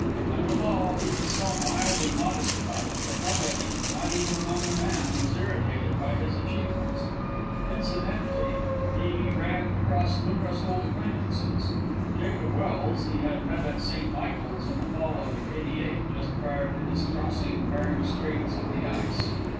And withal, he was so mild and modest about it, that nobody, not even among the men, was irritated by his achievements. Incidentally, he ran across numerous old acquaintances. Jacob Welse he had met at St. Michael's in the fall of '88, just prior to his crossing Bering Straits on the ice.